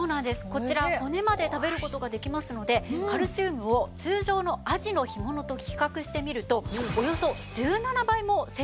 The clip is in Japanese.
こちら骨まで食べる事ができますのでカルシウムを通常のあじの干物と比較してみるとおよそ１７倍も摂取できるんです。